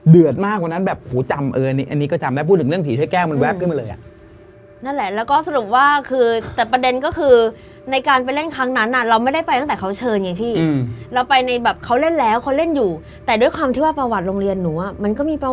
เดือดมากกว่านั้นแบบโหจำเอออันนี้ก็จำแล้วพูดถึงเรื่องผีช่วยแก้วมันแวบขึ้นมาเลยอ่ะ